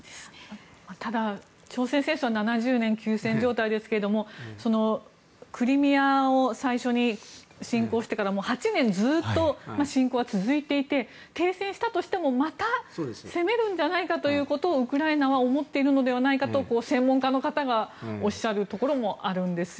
ただ、朝鮮戦争は７０年休戦状態ですけどもクリミアを最初に侵攻してからもう８年ずっと侵攻は続いていて停戦したとしても、また攻めるんじゃないかということをウクライナは思っているのではないかと専門家の方がおっしゃるところもあるんですよね。